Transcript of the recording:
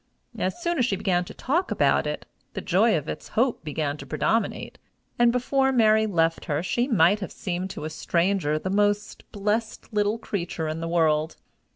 As soon as she began to talk about it, the joy of its hope began to predominate, and before Mary left her she might have seemed to a stranger the most blessed little creature in the world.